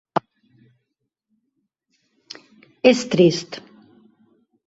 És trist.